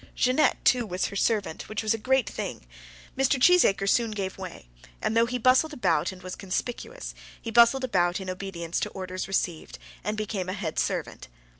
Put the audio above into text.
Jeannette, too, was her servant, which was a great thing. Mr. Cheesacre soon gave way; and though he bustled about and was conspicuous, he bustled about in obedience to orders received, and became a head servant.